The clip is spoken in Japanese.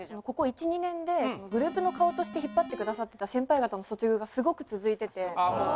ここ１２年でグループの顔として引っ張ってくださってた先輩方の卒業がすごく続いてて。